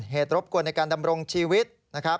รบกวนในการดำรงชีวิตนะครับ